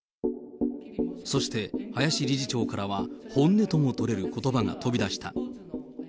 そして、林理事長からは本音とも取れることばが飛び出した。